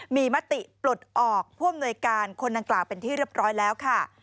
มีมติปลดออกผู้อำนวยการคนดังกล่าวเป็นที่เรียบร้อยแล้วค่ะ